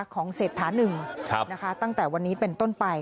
ของเศษฐะหนึ่งตั้งแต่วันนี้